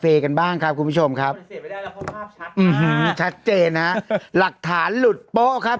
กันบ้างครับคุณผู้ชมครับชัดเจนฮะหลักฐานหลุดโป๊ะครับ